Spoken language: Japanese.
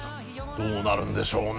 どうなるんでしょうね。